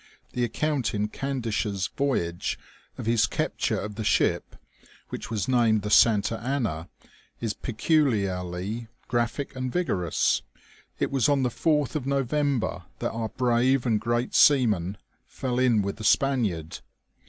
The account in Candish's voyage of his capture of the ship, which was named the Santa Anna, is peculiarly graphic and vigorous. It was on the 4fch of November that our brave and great seaman fell in with the Spaniard.